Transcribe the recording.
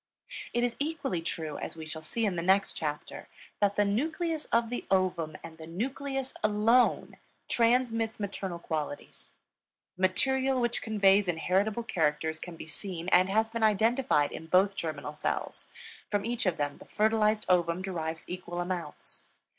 It is equally true, as we shall see in the next chapter, that the nucleus of the ovum and the nucleus alone transmits maternal qualities. The material which conveys inheritable characters can be seen and has been identified in both germinal cells; from each of them the fertilized ovum derives equal amounts.